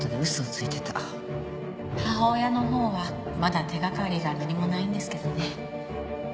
母親の方はまだ手掛かりが何もないんですけどね